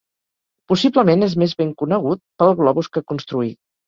Possiblement és més ben conegut pels globus que construí.